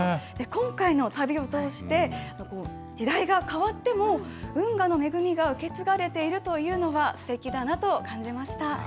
今回の旅を通して、時代が変わっても、運河の恵みが受け継がれているというのは、すてきだなと感じまし